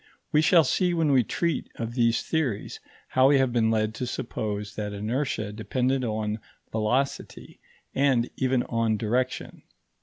We shall see when we treat of these theories, how we have been led to suppose that inertia depended on velocity and even on direction.